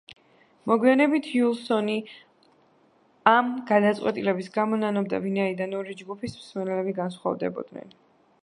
მოგვიანებით უილსონი ამ გადაწყვეტილების გამო ნანობდა, ვინაიდან ორი ჯგუფის მსმენელები განსხვავდებოდნენ.